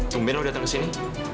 cumben lo datang kesini